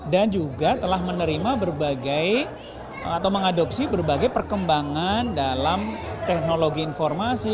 dan juga telah menerima berbagai atau mengadopsi berbagai perkembangan dalam teknologi informasi